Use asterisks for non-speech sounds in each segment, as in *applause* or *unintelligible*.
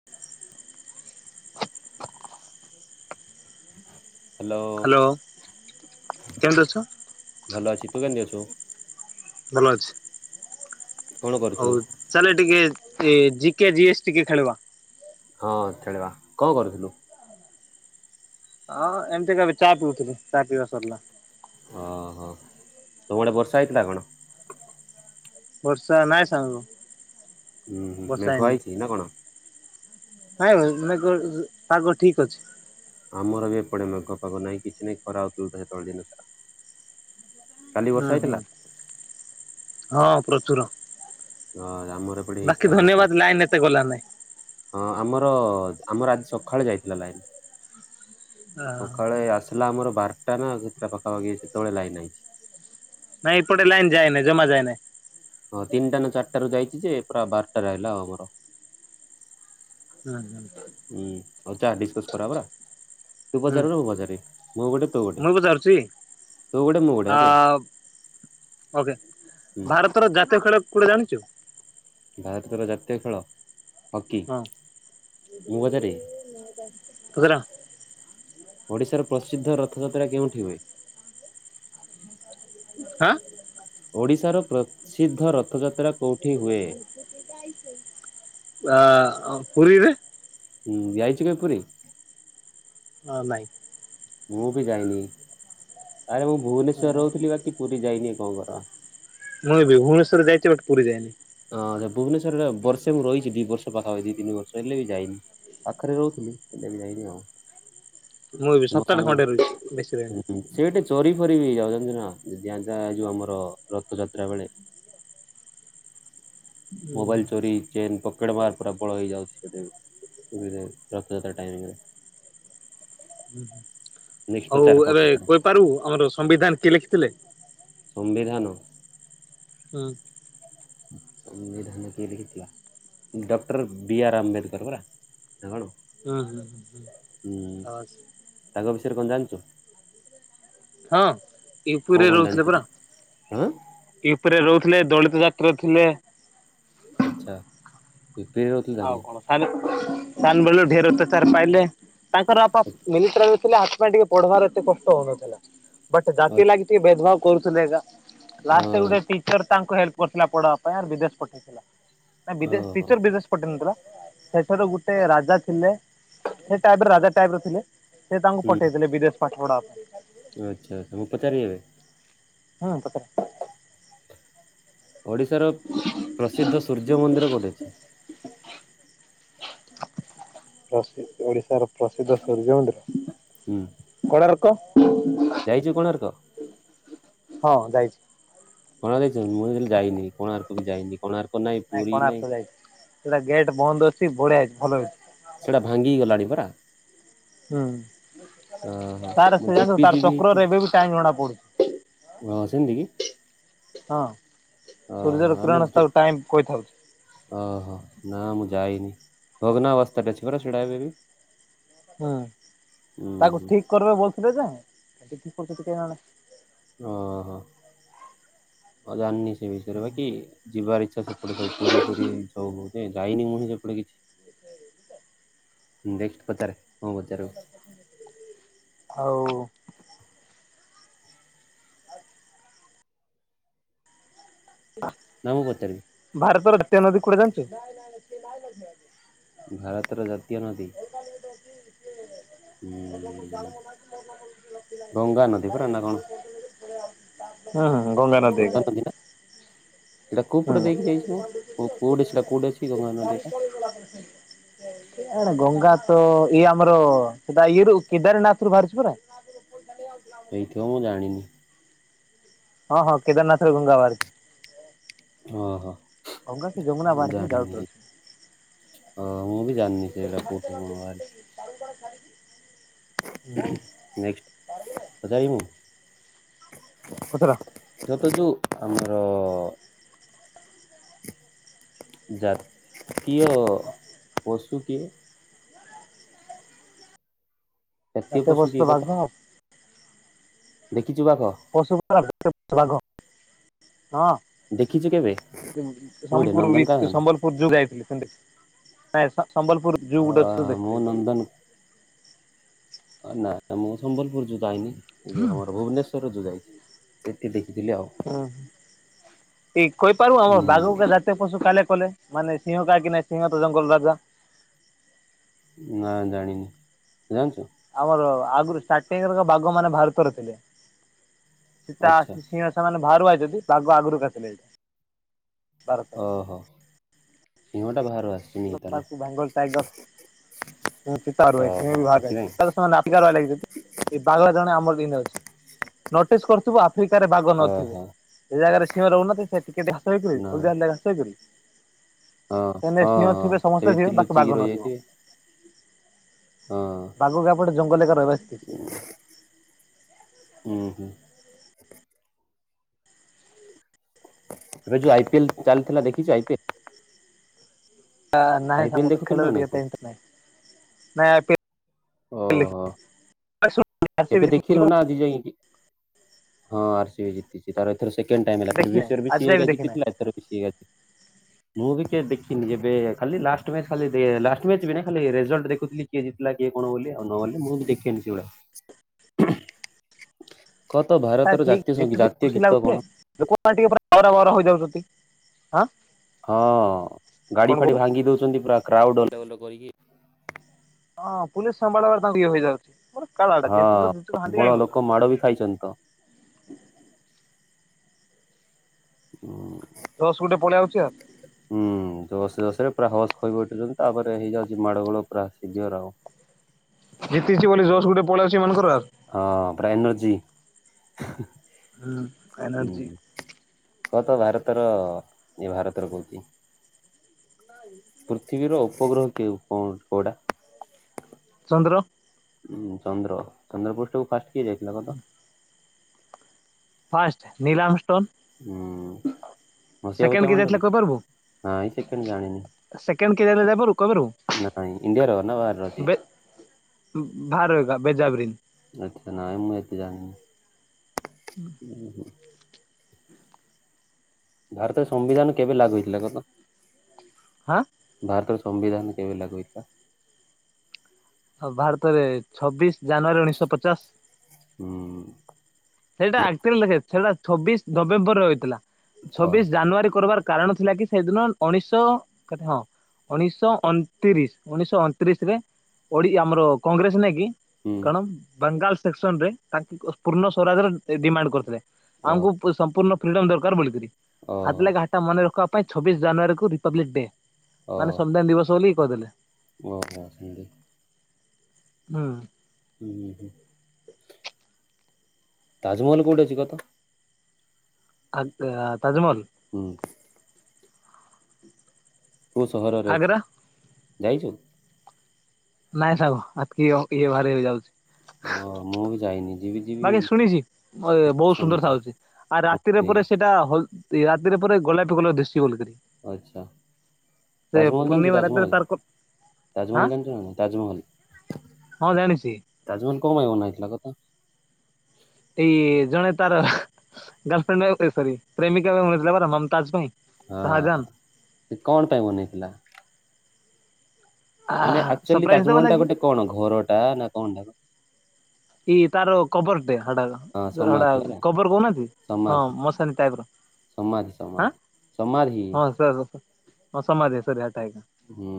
*inaudible* Hello hello କେମିତି ଅଛ? ଭଲ ଅଛି। ତୁ କେମିତି ଅଛୁ? ଭଲ ଅଛି। କଣ କରୁଛୁ? ହଉ ଚାଲେ ଟିକେ ଜି କେ ଜି ଏସ୍ ଟିକେ ଖେଳିବା। ହଁ ଖେଳିବା କଣ କରୁଥୁଲୁ? ହଁ ଏମିତି କହିବି ଚା ପିଉଥିଲି ଚା ପିଇବା ସରିଲା। ଓହୋ ତୁମ ଆଡେ ବର୍ଷା ହେଇଥିଲା କଣ? ବର୍ଷା ନାଇଁ ସାଙ୍ଗ। ଉହୁଁ ବର୍ଷା ମେଘୁଆ ହେଇନି। ହେଇଚି ନା କଣ? ନାଇଁ ଭାଇ ମେଘ ପାଗ ଠିକ୍ ଅଛି। ଆମର ବି ଏପଟେ ମେଘ ପାଗ ନାଇଁ କିଛି ନାଇଁ ଖରା ହଉଥିଲା ହେତେବେଳେ ଦିନସାରା। ହୁଁ ହୁଁ ହଁ ପ୍ରଚୁର। ହଁ ଆମର ଏପଟେ ହେଇଥିଲା ବାକି ଆମର ବି। ଧନ୍ୟବାଦ ଲାଇନ ଏତେ ଗଲା ନାଇଁ। ହଁ ଆମର ଆମର ଆଜି ସକାଳେ ଯାଇଥିଲା ଲାଇନ। ସକାଳେ ଆସିଲା ଆମର ବାରଟା ନା ଦିଟା ପାଖାପାଖି ସେତେବେଳେ ଲାଇନ ଆଇଚି। ନାଇଁ ଏପଟେ ଲାଇନ୍ ଯାଏନି ଜମା ଯାଏନାଇଁ। ହଁ ତିନିଟା ନା ଚାରିଟାରୁ ଯାଇଚି ଯେ ପୁରା ବାରଟାରେ ଆଇଲା ଆଉ ଆମର। ଉଁ ହୁଁ। ହୁଁ ହଉ ଚା ଡିସକସ କରିଆ ପରା। ତୁ ହୁଁ ପଚାରିବୁ ନା ମୁଁ ପଚାରିବି ମୁଁ ଗୋଟେ ତୁ ଗୋଟେ ମୁଁ ପଚାରୁଛି ତୁ ଗୋଟେ ମୁଁ ଆ ଗୋଟେ ଓକେ। ଓକେ। ହୁଁ। ଭାରତର ଜାତୀୟ ଖେଳ କୋଉଟା ଜାଣିଚୁ? ଭାରତର ଜାତୀୟ ଖେଳ ହକି। ହଁ ମୁଁ ପଚାରିବି? ପଚାର। ଓଡ଼ିଶାର ପ୍ରସିଦ୍ଧ ରଥଯାତ୍ରା କେଉଁଠି ହୁଏ? ଆଁ? ଓଡ଼ିଶାର ପ୍ରସିଦ୍ଧ ରଥଯାତ୍ରା କେଉଁଠି ହୁଏ? *unintelligible* ଆଁ ପୁୁରୀରେ। ହୁଁ ଯାଇଚୁ କେବେ ପୁରୀ? ହଁ ନାଇଁ। ମୁଁ ବି ଯାଇନେଇ। ଆରେ ମୁଁ ଭୁବନେଶ୍ୱରରେ ରହୁଥିଲି ବାକି ପୁରୀ ଯାଇନି କଣ କର। ମୁଁ ବି ଭୁବନେଶ୍ୱରରେ ଯାଇଚି ବଟ ପୁରୀ ଯାଇନି। ହଁ ଭୁବନେଶ୍ୱରରେ ବର୍ଷେ ମୁଁ ରହିଛି ଦିବର୍ଷ ପାଖ ଦି ତିନିବର୍ଷ ହେଲେ ବି ଯାଇନି। ପାଖରେ ରହୁଥିଲି ସେଟା ବି ଯାଇନି ଆଉ। ମୁଁ ବି ସପ୍ତାହେ ଖଣ୍ଡେ ରହିଚି ବେଶୀ ରହିନି। ସେଠି ଚୋରି ଫୋରି ବି ଯାଉଚନ୍ତି ନା ଯା ଯା ଯୋଉ ଆମର ରଥଯାତ୍ରା ବେଳେ। ହୁଁ। ମୋବାଇଲ ଚୋରି ଚେନ ପକେଟ ମାର ପୁରା ପ୍ରବଳ ହେଇଯାଉଚି ସେଠି। *unintelligible* ରଥଯାତ୍ରା ଟାଇମରେ। ନେକ୍ସଟ ଆଉ ପଚାର କଣ ଏବେ ପଚାର? କହିପାରୁିବୁ ଆମର ସମ୍ବିଧାନ କିଏ ଲେଖିଥିଲେ? ସମ୍ବିଧାନ? ହୁଁ। ଡକ୍ଟର ବି ଆର୍ ଆମ୍ବେଦକର ପରା। ହୁଁ ହୁଁ ତାଙ୍କ ବିଷୟରେ କଣ ଜାଣିଚୁ? ହଁ କଣ ୟୁପିରେ କଣ ରହୁଥିଲେ ପରା। ଜାଣିଛନ୍ତି? ହଁ ୟୁପିରେ ରହୁଥିଲେ ଦଳିତ ଜାତିର ଥିଲେ। ଆଚ୍ଛା ୟୁପିରେ ରହୁଥିଲା କି? *inaudible* ତାଙ୍କର ବାପା ମିଲିତ୍ରରେ ଥିଲେ ହାତ ପାଇଁ ଟିକେ ପଢ଼ବାର ଏତେ କଷ୍ଟ ହଉନଥିଲା। ବଟ୍ ଜାତି ଲାଗି ଆଚ୍ଛା ଟେ ଭେଦଭାବ କରୁଥିଲେ ଏକା ଲାଷ୍ଟେ ହଁ ଗୋଟେ‌ ଟିଚର୍ ତାଙ୍କୁ ହେଲ୍ପ କରିଥିଲା ପଢବା ପାଇଁ ଆ ବିଦେଶ୍ ପଠେଇଥିଲା ଓହୋ ବିଦେଶଟିଚର ବିଦେଶ୍ ପ ନଥିଲା ସେଠାରୁ ଗୋଟେ ରାଜା ଥିଲେ ସେ ଟାଇପ୍ ରାଜା ଟାଇପ୍ ର ଥିଲେ। ସେ ତାଙ୍କୁ ପଠେଇଥିଲେ ବିଦେଶ୍ ପାଠପଢା ପାଇଁ। ଆଚ୍ଛା ପଚାରିିବେନି? ହଁ ପଚା ଓଡିଶାର ପ୍ରସିଦ୍ଧ ସୂର୍ଯ୍ୟ ମନ୍ଦିର କୋଉଠି ଅଛି? ପ୍ରସିଦ୍ ଓଡିଶାର ପ୍ରସିଦ୍ଧ ସୂର୍ଯ୍ୟ ମନ୍ଦିର। ହୁଁ। କୋଣାର୍କ। ଯାଇଚୁ କୋଣାର୍କ? ହଁ ଯାଇଚି। କଣ ଯାଇଚୁ ମୁଁ‌ ହେଲେ ଯାଇନି କୋଣାର୍କ ବି ଯାଇନି। କୋଣାର୍କ ନାଇଁ ନାଇଁ କୋଣାର୍କ ଯାଇଚି ସେଟା ଗେଟ୍ ବନ୍ଦ ଅଛି ବଢିଆ ହେଇଛି ଭଲ ହେଇଚି। ସେଇଟା ଭାଙ୍ଗି ଗଲାଣି ପରା। ହୁଁ ଅହୋ ତାର ମୁଁ ସେ ଜାଣିଛୁ ଯିବି ତାର ଯିବି ସେଇଠି ଚକ୍ରରେ ଏବେ ବି ଟାଇମ ଜଣା ପଡୁଛି ଅଁ ସେମତି କି। ହଁ ଓହୋ ସୂର୍ଯ୍ୟର ଆମ କିରଣକୁ ଟାଇମ୍ କହିଥାଉ। ଓହୋ ନାଁ ମୁଁ ଯାଇନି ଭଗ୍ନା ଅବସ୍ଥାରେ ଅଛି ପରା ଛିଡା ହେବିବି। ହୁଁ ତାକୁ ଠିକ୍ କରିବ କୋଉଥିଲେ ଯେ ଓହୋ ମୁଁ ଜାଣିନି ସେ ବିଷୟରେ ବାକି। ଯିବାର ଇଚ୍ଛା ସେପଟେ ସବୁ ପୁରୀ ଫୁରୀ ସବୁ ମୁଁ ଯାଇନି ହିଁ ସେପଟେ କିଛି। *inaudible* ଆଉ ନାଁ ମୁଁ ପଚାରିବି। ଭାରତର ଜାତୀୟ ନଦୀ କୋଉଟା ଜାଣିଚ କି? *inaudible* ଭାରତର ଜାତୀୟ ନଦୀ ହୁଁ *unintelligible* ଗଙ୍ଗା ନଦୀ ପରା ନାଁ କଣ? ହଁ ଗସଙ୍ଗା ନଦୀ। ଗଙ୍ଗା ନା ସେଇଟା କୋଉ ପଟେ ଦେଇକି ଯାଇଛି ମୁଁ କୋ କୋଉଠି ସେଇଟା କୋଉଠି ଅଛି ଗଙ୍ଗା ନଦୀଟା ହଁ ଏ ଗଙ୍ଗା ତ ଇଏ ଆମର *unintelligible* କେଦାରନାଥ ରୁ ବାହାରିଚି ପରା। ହେଇଥିବ ମୁଁ ଜାଣିନି। ହଁ ହଁ କେଦାରନାଥ ରୁ ଗଙ୍ଗା ବାହାରିଚି। ଓହୋ ଗଙ୍ଗା କି ଯମୁନା ବାହାରିଚି ଡାଉଟ୍ ରେ ଅଛି। ହଁ ମୁଁ ବି ଜାଣିନି ସେ ଇରା କୋଉଠୁ କଣ ବାହାରିଚି। ନେକ୍ସ୍ତ୍ ତୁ ଯାଇନୁ? *unintelligible* ଯତ ସବୁ ଆମର ଜାତୀୟ ପଶୁ କିଏ? ଜାତୀୟ ପଶୁ ତ ବାଘ ଆଉ। ଦେଖିଛୁ ବାଘ? ପଶୁ *unintelligible* ବାଘ। ହଁ। ଦେଖିଛୁ କେବେ କୋଉଠି ସମପୁର ବି ନନ୍ଦନକାନନ ସମ୍ବଲପୁର ଯୋଉ ଯାଇଥିଲି ସେମତି। ନାଇଁ ସମ୍ବଲପୁର ଯୁ ଗୁଡା ସବୁ ଅ ଦେଖି ମୁଁ ଦେଇଛି। ନନ୍ଦନ ନା ମୁଁ ସମ୍ବଲପୁର ଯୋଉ ଯଇନି, ଏ ଯୋଉ ଆମର ଭୁବନେଶ ର ଯୁ ଯାଇଛି ସେଠି ଦେଖିଥିଲି ଆଉ। ହୁଁ ଏ କହିପାରୁ ଆମ ହୁଁ ବାଘ କୁ କାହିଁ ଜା ଜାତୀୟ ପଶୁ ତାଲେ କଲେ ମାନେ ସିଂହ କାହିଁକି ନାଇଁ ସିଂହ ତ ଜଙ୍ଗଲ ରାଜା? ନା ଜାଣିନି, ଜାଣିଛୁ? ଆମର ଆଗରୁ ସାଟି ଏଅର ବାଘ ମାନେ ଭାରତର ଥିଲେ। ସେ ତା ଆଚ୍ଛା ଆସି ସିଂହ ସେମାନେ ବାହାରୁ ଆଇଛନ୍ତି। ବାଘ ଆଗରୁ ବେସ୍ ଥିଲେ। ଓହୋ ସିଂହଟା ବାହାରୁ ଆସିଛି। *unintelligible* ବେଙ୍ଗଲ ଟାଇଗର। ଓହୋ ସେଥିପାଇଁ *unintelligible* ଏଇ ପାଗଲା ଜଣେ ଆମର ଦିନେ ଅଛି ନୋଟିସ୍ କରୁଥିବୁ ଆ ଆଫ୍ରିକା ରେ ବାଘ ନଥିବେ, ଓହୋ ସେ ଜାଗାରେ ସିଂହ ରହୁନାହାନ୍ତି। ସେଠି କେମିତି ଘାସ ହେଇଛିବେ ନାଇଁ ହଳଦିଆ ହଳଦିଆ ଘାସ ହୋଇଛି। ହଁ ହଁ- ହଁ ଥିବେ ସେମତି ବାକି ବାଘ ଲୁଚିକି ନଥିବ ରହିଯାଇଥିବେ। ହଁ ବାଘ ଗାପଡ ଜଙ୍ଗଲ ଏକା ରହିବା ଶିଖିଛି। ହୁଁ ହୁଁ। ଏବେ ଯୋଉ ଆଇ ପି ଏଲ ଚାଲିଥିଲା ଦେଖିଛୁ ଆଇ ପି ଏଲ? ନାଇଁ ଆଇ ପିଏଲ ସାଙ୍ଗ ଦେଖୁଥିଲୁ ନା ନାଇଁ ତୁ? *unintelligible* *unintelligible* ଏବେ ଦେଖିଲୁ ନା ଆଜି ଯାଇକି, ହଁ ଆର୍ ସ ବି ଜିତିଛି ତାର ତାର ସେକେଣ୍ଡ ଟାଇମ୍ ହେଲା ଦେଖି ନାହିଁ ଆଜି ଯାଏ ବି *unintelligible* ଦେଖି ନାହିଁ ଜିତିଥିଲା ଏଥର ବି *unintelligible* ମୁଁ ବି କେ ଦେଖିନି ଯେବେ ଖାଲି ଲାଷ୍ଟ ମ୍ୟାଚ ଖାଲି ଲାଷ୍ଟ ମ୍ୟାଚ ବି ନାହିଁ ଖାଲି ରେଜଲ୍ଟ ଦେଖୁଥିଲି। କିଏ ଜିତିଲା କିଏ କଣ ବୋଲି ଆଉ ନହଲେ ମୁଁ ବି ଦେଖନି ସେଗୁଡା। କହ ତ ଭାରତର ଜାତୀୟ ଠିକ ସଙ୍ଗୀ ଯେତେ ଜାତୀୟ ଖୁସି ଗୀତ ଲାଗୁଛି କଣ? ଯେ ଲୋକମାନେ ଟିକେ ପୁରା ତର ବର ହେଇଯାଉଛନ୍ତି ଆଁ? ହଁ, ଗାଡି ଫାଡି ଭାଙ୍ଗି ଦଉଚନ୍ତି ପୁରା କ୍ରାଉଡ୍ *unintelligible* କରିକି। ହଁ, ପୁଲିସ ସମ୍ବାଳ *unintelligible* ତାଙ୍କୁ ଇଏ ହେଇ ଯାଉଛି। *unintelligible* କାଳା ଟା ଯେତୁୁ *unintelligible* ଘାଣ୍ଟି କାଇଁ ହଉଚୁ? ମାଡ଼ ବି ଖାଇଛନ୍ତି ତ! ହୁଁ। ଜୋସ୍ ଗୁଟେ ପଳେଇଆଉଚି ଆଉ। ହୁଁ ଜୋସ୍ ଜୋସ୍ ରେ ପୁରା ହୋସ୍ ଖୋଇ ବ ଉଠୁଛନ୍ତି। ତା'ପରେ ହେଇଯାଉଛି ମାଡ଼ଗୋଳ ପୁରା ସିଭିଅର ଆଉ। ଜିତିଚି ବୋଲି ଜସ୍ ଗୁଟେ ପଳେଇଛି ଏମାନଙ୍କର ଆଉ। ହଁ, ପରା ଏନର୍ଜି ହୁଁ ଏନର୍ଜି ଉଁ। କହ ତ ଭାରତର, ଇଏ ଭାରତର କହୁଚି। *inaudible* ପୃଥିବୀର ଉପଗ୍ରହ କେଉଁ କଉଁ କଉଟା? ଚନ୍ଦ୍ର। ଉଁ, ଚନ୍ଦ୍ର। ଚନ୍ଦ୍ର ପୃଷ୍ଠକୁ ଫାଷ୍ଟ କିଏ ଯାଇଥିଲା କ ତ? First Neil Armstrong. ହୁଁ। ମସିହା ବସିଆ ସେକେଣ୍ଡ କିଏ ମନେ ଯାଇଥିଲେ ରଖିଛୁ କହିପାରିବୁ? ନାଇଁ ସେକେଣ୍ଡ ଜାଣିନି। ସେକେଣ୍ଡ କିଏ ଯାଇ *unintelligible* କହିପାରୁ? ନାଇଁ ଇଣ୍ଡିଆର ନା ବାହାରର ଅଛି ବେ ଭାର ଏକା ବେଜାବ୍ରିନ୍। ଆଚ୍ଛା, ନାଇଁ ମୁଁ, ଏତେ ଜାଣିନି। ହୁଁ। ଉଁ, ହୁଁ। ଭାରତରେ ସମ୍ବିଧାନ, କେବେ ଲାଗୁ ହେଇଥିଲା କହ ତ? ହାଁ। ଭାରତର ସମ୍ବିଧାନ କେବେ ଲାଗୁ ହେଇଥିଆ? ଆଉ ଭାରତ ରେ, ଛବିଶ୍ ଜାନୁଆରୀ, ଉଣେଇଶ ପଚାଶ୍। ହୁଁ। ସେଇଟା ଲେ- ଆକ୍ଚୁଆଲି, ଦେଖେ ସେଇଟା ଛବିଶ ନଭେମ୍ବର ରେ ହୋଇଥିଲା, ଅ ଛବିଶ ଜାନୁଆରୀ କରବାର୍ କାରଣ ଥିଲା କି, ସେଇଦିନ ଉଣେଇଶ କେତେ? ହଁ। ଉଣିଶ ଶହ ଅଣତିରିଶି, ଉଣେଇ ଶହ ଅଣତିରିଶ, ରେ ଓଡି ଆମର, କଂଗ୍ରେସ ନାଇଁ କି? ହୁଁ କଣ ବାଙ୍ଗାଲ୍ ସେକ୍ସନ୍ ରେ ତାଙ୍କକ ପୂର୍ଣ୍ଣ ସ୍ୱରାଜର ଡିମାଣ୍ଡ କରିଥିଲେ। ଅ ଆମକୁ ସମ୍ପୂର୍ଣ୍ଣ ଫ୍ରିଡମ୍ ଦରକାର ବୋଲିକିରି ହାତ୍ ଓହୋ ଲେ ଘା ତା ମନେ ରଖବା ପାଇଁ, ଛବିଶ ଜାନୁଆରୀ, କୁ ରିପବ୍ଲିକ୍ ଡେ, ମାନେ ଓହୋ। ସମ୍ବିଧାନ ଦିବସ, ବୋଲି କହିଦେଲ। ଓହୋ! *unintelligible* ହୁଁ। ଉ, ହୁ। ତାଜମହଲ୍ କୋଉଠି ଅଛି କତ? ଆଗ୍ ଅ ତାଜମହଲ୍! ହୁଁ। କଉ ସହରରେ ଅଛି, ଆଗ୍ରା ଯାଇଛୁ? ନାଇଁ ସାଙ୍ଗ, ଆତ୍ କି ୟ ଇଏ ବାହାରି *unintelligible* ଯାଉଛି। ଓ ମୁଁ ବି ଯାଇନି, ଯିବି। ଯିବି ବାକି ଶୁଣିଛି, ବ-ବହୁତ ସୁନ୍ଦର ଶୁଣିଛି ଥାଉଛି। ଆଉ ରାତିରେ ହଁ ପରେ ସେ ଏଇଟା ହଲ୍ ରାତିରେ ପରେ ଗୋଲାପୀ କଲର୍ ଦିଶୁଛି ବୋଲିକିରି। ଆଛା, ତାଜମହଲ୍ ଜାଣିଚୁ? ପୂର୍ଣ୍ଣିମା ରାତିରେ ତାଜମହଲ୍! ତାର କ ହାଁ ତାଜମହଲ୍ ଜାଣିଚ ନା ନାଇଁ ତାଜମହଲ ହଁ ଜାଣିଛି ତାଜମହଲ କଣ ପାଇଁ ବନା ହେଇଥିଲା କହତ? ଏଇ ଜଣେ ତାର ଗାର୍ଲଫ୍ରେଣ୍ଡ ଏ ସରି୍ ପ୍ରେମିକା ପାଇଁ ବାନେଇଥିଲା ପରା ମମତାଜ ପାଇଁ। ହଁ ଶାହାଜାନ ହଁ ସେ କଣ ପାଇଁ ବନେଇଥିଲା? ମାନେ ଆକ୍ଚୁଆଲି ସରପ୍ରାଇଜ ଦବା ତାଜମହଲ ଟା ଲାଗି ଗୋଟେ କଣ ଘରଟା ନା କଣ ଟା? ଇ ତାର କବର୍ ଟେ ହାଡ଼ାର। ହଁ ସେଟା ଗୋଟା ସମାଧି ପରା କବର୍ କହୁନାହାନ୍ତି ହଁ ସମାଧି ମଶାନୀ ଟାଇପ୍ ର। ସମାଧି ଆଁ ସମାଧି ସମାଧି ହଁ ସେଇଆ ତ ହଁ ସମାଧି ଓସାରିଆ ଟାଇପ୍ ର। ହୁଁ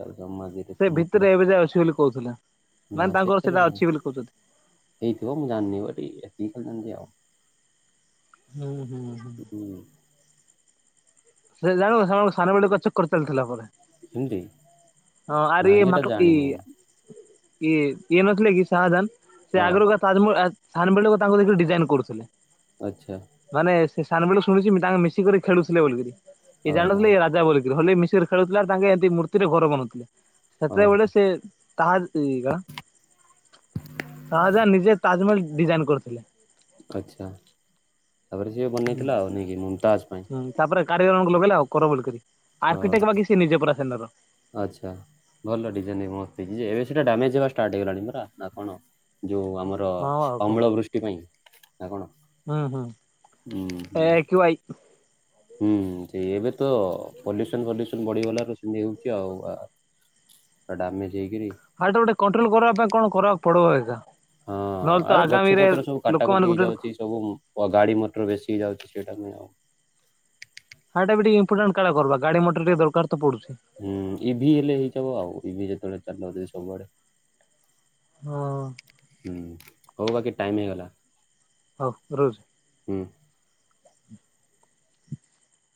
ତାର ସମାଧୀରେ ହୁଁ ଭିତେରେ ଏବେ ଯାଏ ଅଛି ବୋଲି କହୁଥିଲା। ନା ମାନେ ତାଙ୍କର ସେଇଟା ସେଟା ଜାଣିନି ଅଛି ବୋଲି କହୁଚନ୍ତି। ହେଇଥିବ ମୁଁ ଜାଣିନି ବଡ଼ି ଏତିକି ଖାଲି ଜାଣଚି ଆଉ। ହୁଁ ହୁଁ ହୁଁ। ସେ ଜାଣୁ ଶଳା ମୋ ସାନ ବେଳେକୁ ଚକର ଚାଲିଥିଲା ପରେ। ସେମିତି ହଁ ଆରେ ନାଇଁ ଇଏ ମା ଏଇଟା ଙ୍କ ଜାଣିନି ଇଆ ଇଏ ଇଏ ନଥିଲେ କି ସାହାଜାନ ହଁ ସେ ଆଗୁରୁ କ ତାଜମହଲ ଆ ସାନ ବେଳ ଲୋକ ତାଙ୍କୁ ଦେଖିଲି ଡିଜାଇନ୍ କରୁଥିଲେ। ଆଚ୍ଛା। ମାନେ ସେ ସାନବେଲୁ ଶୁଣିଚି ମି ତାଙ୍କ ମିଶିକରି ଖେଳୁଥିଲେ ବୋଲିକିରି ଇଏ ଓହୋ ଜାଣୁନଥିଲେ ଇଏ ରାଜା ବୋଲିକିରି ହଲେଇ ମିଶର ଖେଳୁଥିଲାର ତାଙ୍କେ ଏତି ମୂର୍ତ୍ତିରେ ଘର ବନଉଥିଲେ ଓହୋ ସେତେବେଳେ ସେ ତାହାଲ ଲିଗା ଶାହାଜାନ ନିଜେ ତାଜମହଲ୍ ଡିଜାଇନ କରିଥିଲେ। ଆଚ୍ଛା ତାପରେ ସିଏ ହୁଁ। ବନେଇଥିଲା ଆଉ ନାଇଁକି ମୁମତାଜ୍ ପାଇଁ ‌? ହୁଁ ତାପରେ କାରିଗରଙ୍କୁ ଲଗେଇଲା ଆଉ କର ବୋଲି କିରି ଓ ଆର୍କିଟେକ୍ଟ ବାକି ସେ ନିଜେ ପୁରା ସେନର। ଆଚ୍ଛା ଭଲ ଡିଜାଇନ୍ ମସ୍ତ ହେଇଚି ଯେ ଏବେ ସେଟା ଡାମେଜ୍ ହେବା ଷ୍ଟାର୍ଟ ହେଇଗଲାଣି ପରା ନା କଣ? ଯୋଉ ଆମର ହଁ ଆଉ କଣ ଅମ୍ଳ ବୃଷ୍ଟି ପାଇଁ ନା କଣ? ହୁଁ ହୁଁ ହୁଁ ଏ ହୁଁ କ୍ଷୁଆଇ ହୁଁ ସେଇ ଏବେ ତ ପଲ୍ୟୁସନ୍ ଫଲ୍ୟୁସନ୍ ବଢ଼ିଗଲାରୁ ସେମତି ହଉଚି ଆଉ। ଡାମେଜ ହେଇକିରି ହାଇଡ୍ର ଗୋଟେ କଣ୍ଟ୍ରୋଲ କରିବା ପାଇଁ କଣ କରବାକୁ ପଡ଼ିବ ଏକା। ହଁ ନହେଲେ ତ ଆରେ ଗଛ ଆଗାମୀରେ ପତ୍ର ସବୁ କାଟାକୁଟି ଲୋକମାନେ ଗୋଟିଏ ହେଇଯାଉଛି ଲୋକ ସବୁ ଉଁ ପ ଗାଡ଼ି ମଟର ବେଶୀ ଯାଉଚି ସେଇ ଟାଇମରେ ଆଉ। ହାଟା ବି ଟିକେ ଇମ୍ପୋଟାଣ୍ଟ କାଳା କରବା ଗାଡ଼ି ମଟର ଟିକେ ଦରକାର ତ ପଡୁଛି। ହୁଁ ଇଭିି ହେଲେ ହେଇଯବ ଆଉ ଇଭି ଯେତବଳେ ଚାଲଲ ଯେ ସବୁଆଡ଼େ। ହଁ। ହୁଁ ହଉ ବାକି ଟାଇମ ହେଇଗଲା। ହଉ ମୁଁ ରହୁଚି? ହୁଁ।